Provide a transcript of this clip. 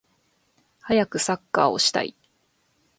はやくサッカーをしたい